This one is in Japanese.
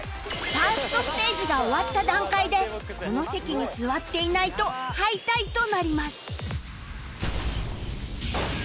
ファーストステージが終わった段階でこの席に座っていないと敗退となります